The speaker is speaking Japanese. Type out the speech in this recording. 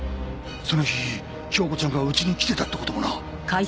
その日京子ちゃんがうちに来てたって事もな。